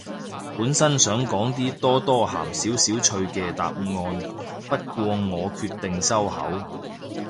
本身想講啲多多鹹少少趣嘅答案，不過我決定收口